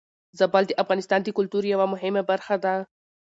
زابل د افغانستان د کلتور يوه مهمه برخه ده.